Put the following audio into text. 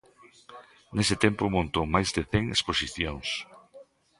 Nese tempo montou máis de cen exposicións.